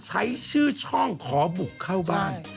ใช้ชื่อช่องขอบุกเข้าบ้าน